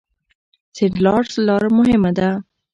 سینټ لارنس لاره مهمه ده.